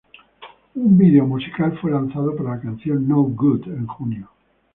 Un video musical fue lanzado para la canción "No Good" en junio.